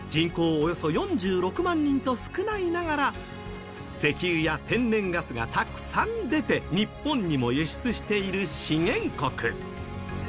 およそ４６万人と少ないながら石油や天然ガスがたくさん出て日本にも輸出している資源国。